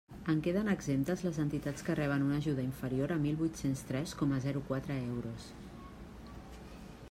En queden exemptes les entitats que reben una ajuda inferior a mil huit-cents tres coma zero quatre euros.